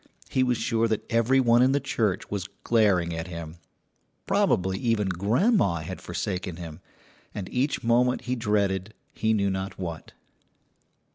He was sure that every one in the church was glaring at him; probably even grandma had forsaken him, and each moment he dreaded he knew not what.